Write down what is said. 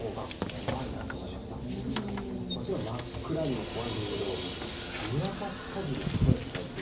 もちろん真っ暗闇も怖いんですけど見渡す限り白い世界って。